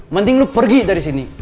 mending lu pergi dari sini